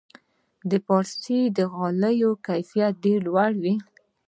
د فارسي غالیو کیفیت ډیر لوړ دی.